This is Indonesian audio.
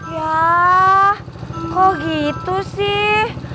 yaaah kok gitu sih